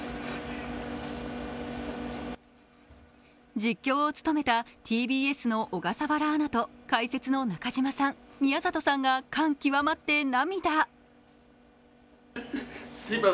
実況を務めた解説のＴＢＳの小笠原アナと解説の中嶋さん、宮里さんが感極まって涙。